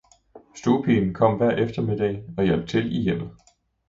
Stuepigen kom hver eftermiddag og hjalp til i hjemmet.